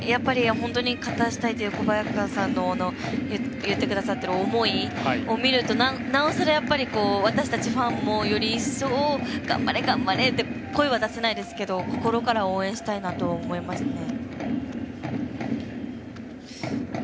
勝たせたいという小早川さんが言ってくださっている思いを見ると、なおさら私たちファンも、より一層頑張れ頑張れって声は出せないですけど心から応援したいなと思いましたね。